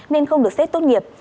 nên không được xét tốt nghiệp